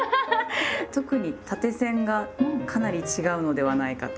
特に縦線がかなり違うのではないかと。